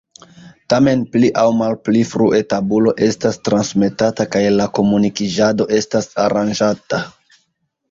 Tamen pli aŭ malpli frue tabulo estas transmetata kaj la komunikiĝado estas aranĝata.